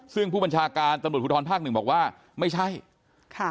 ซึ่งผู้บัญชาการตำรวจภูทรภาคหนึ่งบอกว่าไม่ใช่ค่ะ